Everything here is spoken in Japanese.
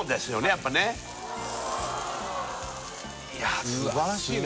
やっぱねいやすばらしいね